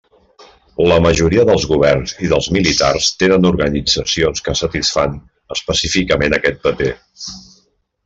La majoria dels governs i dels militars tenen organitzacions que satisfan específicament aquest paper.